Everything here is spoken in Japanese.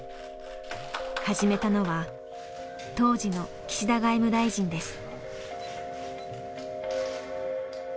始めたのは当時の岸田外務大臣です。